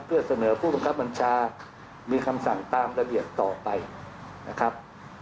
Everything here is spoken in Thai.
เพื่อเสนอผู้บังคับบัญชามีคำสั่งตามระเบียบต่อไปนะครับ